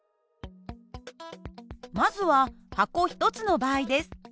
まずは箱１つの場合です。